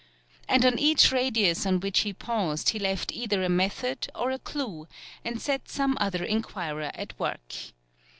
And on each radius on which he paused he left either a method or a clew, and set some other inquirer at work.